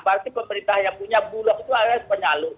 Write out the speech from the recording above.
berarti pemerintah yang punya bulu itu adalah penyalur